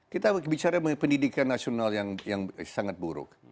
kita bicara pendidikan nasional yang sangat buruk